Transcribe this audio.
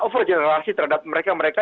overgenerasi terhadap mereka mereka